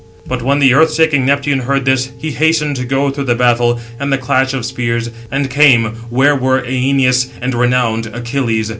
But when earth shaking Neptune heard this, he hastened to go through the battle and the clash of spears; and came where were Æneas and renowned Achilles.